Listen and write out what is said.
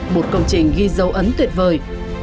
một công trình ghi dấu ấn tuyệt vời